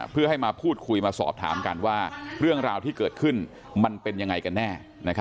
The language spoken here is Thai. เพื่อให้มาพูดคุยมาสอบถามกันว่าเรื่องราวที่เกิดขึ้นมันเป็นยังไงกันแน่